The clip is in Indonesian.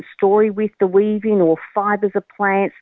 dengan pemerintahan atau fibra tanah